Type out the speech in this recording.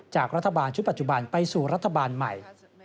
จากรัฐบาลชุดปัจจุบันไปสู่รัฐบาลใหม่